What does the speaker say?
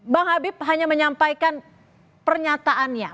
bang habib hanya menyampaikan pernyataannya